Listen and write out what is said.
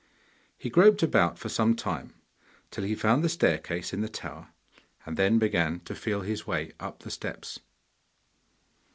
He groped about for some time, till he found the staircase in the tower, and then began to feel his way up the steps.